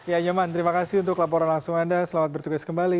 ya nyoman terima kasih untuk laporan langsung anda selamat bertugas kembali